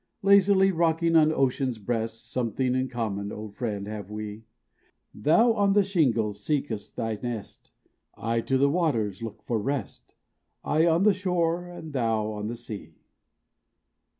Lazily rocking on ocean's breast, Something in common, old friend, have we; Thou on the shingle seek'st thy nest, I to the waters look for rest,— I on the shore, and thou on the sea.